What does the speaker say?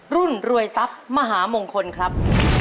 รวยทรัพย์มหามงคลครับ